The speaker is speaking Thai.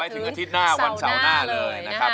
ถึงอาทิตย์หน้าวันเสาร์หน้าเลยนะครับ